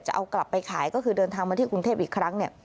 จะเอากลับไปขายก็คือเดินทางมาที่กรุงเทพอีกครั้งเนี่ย